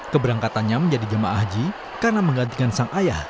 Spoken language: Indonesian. keberangkatannya menjadi jemaah haji karena menggantikan sang ayah